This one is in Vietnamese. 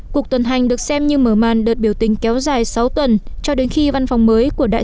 cuộc tuần hành được xem như mở màn đợt biểu tình kéo dài sáu tuần cho đến khi văn phòng mới của đại